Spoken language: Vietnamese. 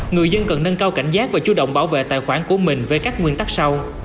người dân cần nâng cao cảnh giác và chú động bảo vệ tài khoản của mình với các nguyên tắc sau